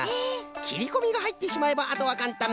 きりこみがはいってしまえばあとはかんたん。